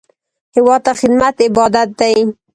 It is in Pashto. هېواد ته خدمت عبادت دی